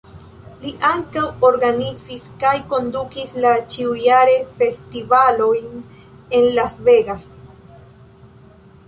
Li ankaŭ organizis kaj kondukis la ĉiujare festivalojn en Las Vegas.